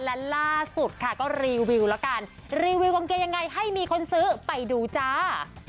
และล่าสุดค่ะก็รีวิวแล้วกันรีวิวกางเกงยังไงให้มีคนซื้อไปดูจ้า